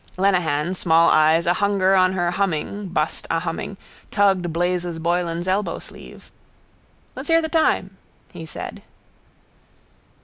Lenehan, small eyes ahunger on her humming, bust ahumming, tugged Blazes Boylan's elbowsleeve. —Let's hear the time, he said.